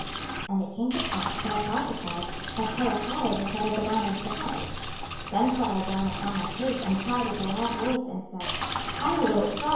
26:011:013 And it came to pass, when I prophesied, that Pelatiah the son of Benaiah died. Then fell I down upon my face, and cried with a loud voice, and said, Ah Lord GOD!